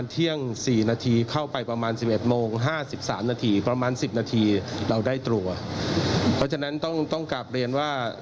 เพราะฉะนั้นต้องกลับเรียนว่า